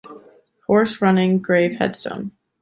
Horse running, grave headstone.